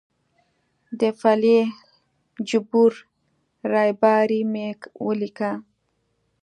د فلیح الجبور ریباري مې ولیکه.